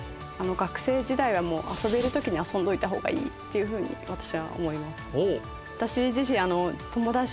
学生時代はもう遊べる時に遊んどいた方がいいっていうふうに私は思います。